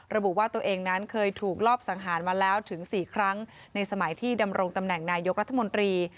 ระบุว่าตัวเองนั้นเคยถูกรอบสังหารมาแล้วถึง๔ครั้งในสมัยที่ดำรงตำแหน่งนายกรัฐมนตรี